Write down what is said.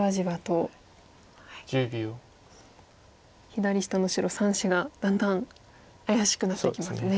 左下の白３子がだんだん怪しくなってきますね。